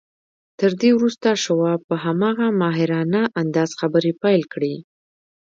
تر دې وروسته شواب په هماغه ماهرانه انداز خبرې پيل کړې.